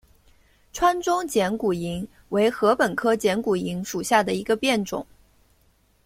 川中剪股颖为禾本科剪股颖属下的一个变种。